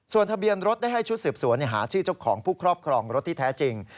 ส่วนทะเบียนรถได้ให้ชุดสืบสวนหาชื่อเจ้าของผู้ครอบครองรถที่แท้จริง